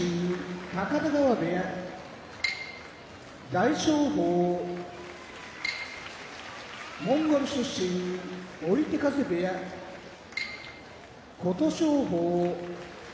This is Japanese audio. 大翔鵬モンゴル出身追手風部屋琴勝峰